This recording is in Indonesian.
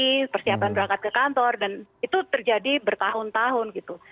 jadi persiapan berangkat ke kantor dan itu terjadi bertahun tahun gitu